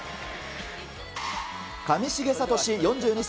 上重聡４２歳。